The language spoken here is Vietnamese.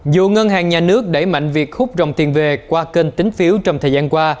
dù ngân hàng nhà nước đẩy mạnh việc hút dòng tiền về qua kênh tính phiếu trong thời gian qua